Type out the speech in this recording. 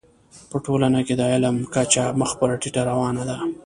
په ټولنه کي د علم کچه مخ پر ټيټه روانه ده.